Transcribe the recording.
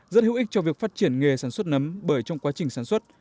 rất hữu ích cho việc phát triển nghề sản xuất nấm bởi trong quá trình sản xuất